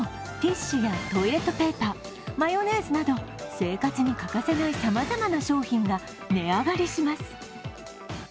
他にもティッシュやトイレットペーパー、マヨネーズなど、生活に欠かせないさまざまな商品が値上がりします。